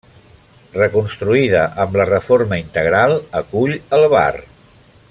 Reconstruïda amb la reforma integral, acull el bar.